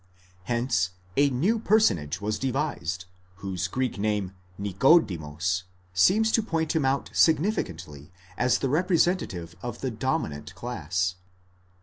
Hence a new personage was devised, whose Greek name Νικόδημος seems to point him out significantly as the representative of the dominant class.